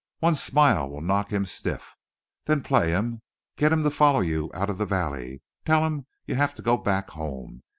One smile will knock him stiff. Then play him. Get him to follow you out of the valley. Tell him you have to go back home.